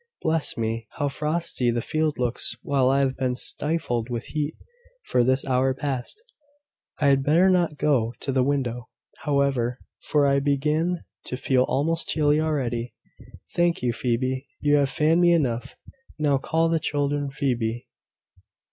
Bless me! how frosty the field looks, while I have been stifled with heat for this hour past! I had better not go to the window, however, for I begin to feel almost chilly already. Thank you, Phoebe; you have fanned me enough. Now call the children, Phoebe."